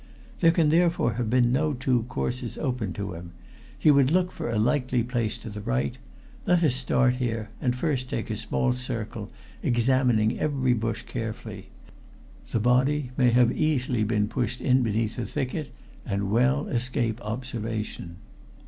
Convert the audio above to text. There can therefore have been no two courses open to him. He would look for a likely place to the right. Let us start here, and first take a small circle, examining every bush carefully. The body may have easily been pushed in beneath a thicket and well escape observation."